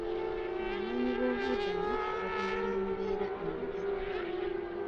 Abanoonyiboobubudamu babeera mu mbeera embi.